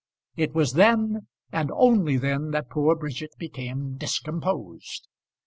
It was then, and then only, that poor Bridget became discomposed.